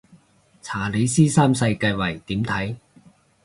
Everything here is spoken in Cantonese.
查理斯三世繼位點睇